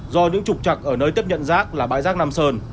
do những trục trặc ở nơi tiếp nhận rác là bãi rác nam sơn